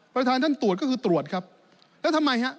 ประธานท่านตรวจก็คือตรวจครับแล้วทำไมครับ